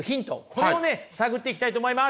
これをね探っていきたいと思います。